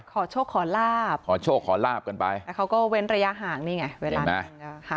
ขอโชคขอลาบขอโชคขอลาบกันไปแล้วเขาก็เว้นระยะห่างนี่ไงเวลานะ